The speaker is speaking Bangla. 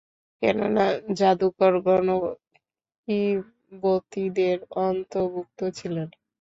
কেননা জাদুকরগণও কিবতীদের অন্তর্ভুক্ত ছিলেন।